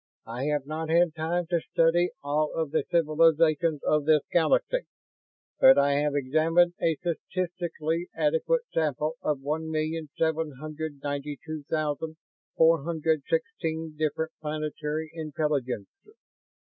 I have not had time to study all of the civilizations of this Galaxy, but I have examined a statistically adequate sample of one million seven hundred ninety two thousand four hundred sixteen different planetary intelligences.